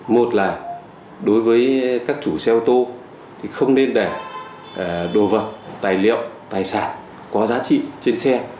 một là đối với các chủ xe ô tô thì không nên để đồ vật tài liệu tài sản có giá trị trên xe